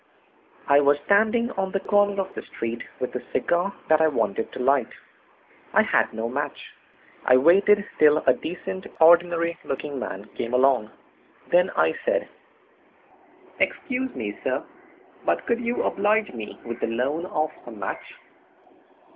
I was standing on the corner of the street with a cigar that I wanted to light. I had no match. I waited till a decent, ordinary looking man came along. Then I said: "Excuse me, sir, but could you oblige me with the loan of a match?"